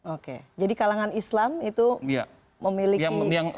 oke jadi kalangan islam itu memiliki posisi yang paling menguntungkan ya